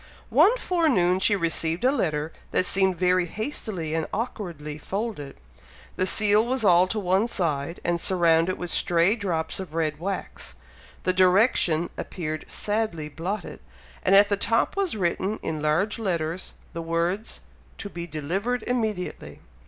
One forenoon she received a letter that seemed very hastily and awkwardly folded, the seal was all to one side, and surrounded with stray drops of red wax, the direction appeared sadly blotted, and at the top was written in large letters, the words, "To be delivered immediately."